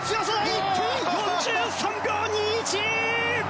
１分４３秒２１！